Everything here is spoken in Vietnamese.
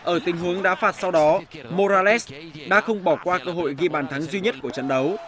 ở tình huống đã phạt sau đó morales đã không bỏ qua cơ hội ghi bàn thắng duy nhất của trận đấu